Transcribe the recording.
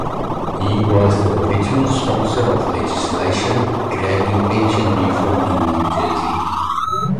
He was the original sponsor of legislation creating pension reform in New Jersey.